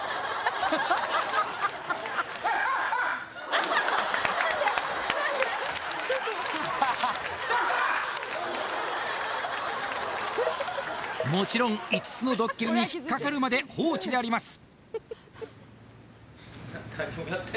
ああっもちろん５つのドッキリに引っかかるまで放置であります